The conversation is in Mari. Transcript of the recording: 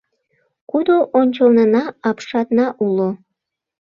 Кудо ончылнына апшатна уло